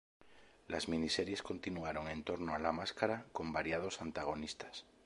Las miniseries continuaron en torno a La Máscara con variados antagonistas.